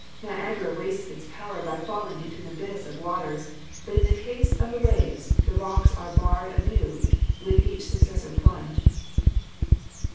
Niagara wastes its power by falling into an abyss of waters, but in the case of the waves the rocks are bared anew for each successive plunge.